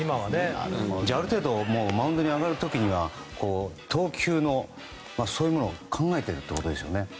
ある程度マウンドに上がる時には投球を考えているということですよね。